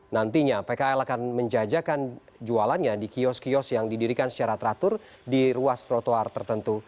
nantinya pkl akan menjajakan jualannya di kios kios yang didirikan secara teratur di ruas trotoar tertentu